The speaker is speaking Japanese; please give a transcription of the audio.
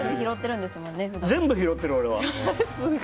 全部拾ってる、俺は。